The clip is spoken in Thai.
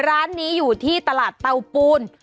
ร้านนี้อยู่ที่ตลาดเตาปูน